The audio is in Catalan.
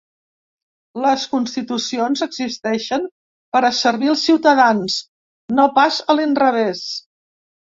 Les constitucions existeixen per a servir els ciutadans, no pas a l’inrevés.